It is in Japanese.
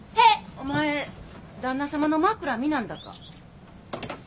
お前旦那様の枕見なんだか？